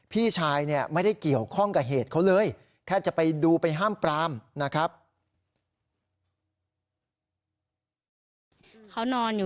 พี่ชายเนี่ยไม่ได้เกี่ยวข้องกับเหตุเขาเลย